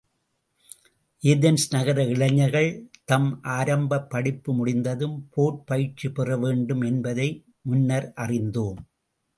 Athens நகர இளைஞர்கள் தம் ஆரம்பப் படிப்பு முடிந்ததும் போர்ப் பயிற்சி பெறவேண்டும் என்பதை முன்னர் அறிந்தோம்.